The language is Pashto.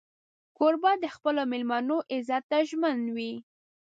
کوربه د خپلو مېلمنو عزت ته ژمن وي.